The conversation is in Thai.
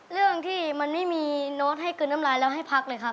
เรื่องที่มันไม่มีโน้ตให้กลืนน้ำลายแล้วให้พักเลยครับ